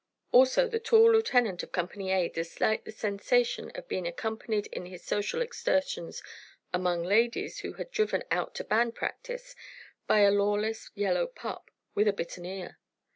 Also the tall lieutenant of Company A disliked the sensation of being accompanied in his social excursions among ladies who had driven out to band practise by a lawless yellow pup with a bitten ear.